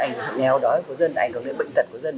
ảnh hưởng đến nghèo đói của dân ảnh hưởng đến bệnh tật của dân